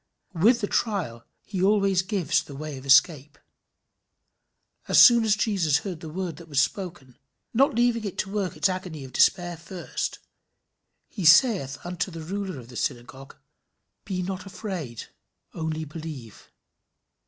With the trial he always gives the way of escape. "As soon as Jesus heard the word that was spoken" not leaving it to work its agony of despair first "he saith unto the ruler of the synagogue, Be not afraid; only believe."